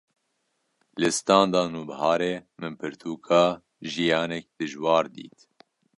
li standa Nûbiharê min pirtûka “Jiyanek Dijwar” dît